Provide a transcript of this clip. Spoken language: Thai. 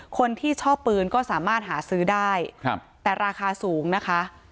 คนที่ชอบปืนก็สามารถหาซื้อได้ครับแต่ราคาสูงนะคะ